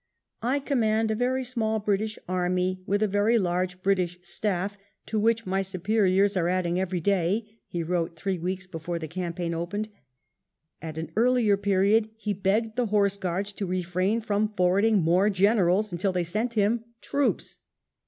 " I command a very small British army with a very large British stafi^ to which my superiors are adding every day," he wrote three weeks before the campaign opened. At an earlier period he begged the Horse Guards to refrain from forwarding more generals until they sent him troops.